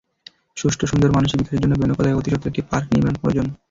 সুষ্ঠু, সুন্দর মানসিক বিকাশের জন্য বেনাপোলে অতিসত্বর একটি পার্ক নির্মাণ প্রয়োজন।